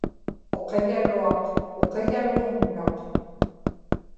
uqiḷaruaq uqiḷaruunnaq